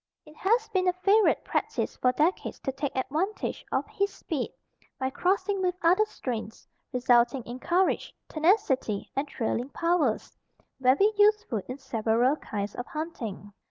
] It has been a favorite practice for decades to take advantage of his speed, by crossing with other strains, resulting in courage, tenacity and trailing powers, very useful in several kinds of hunting.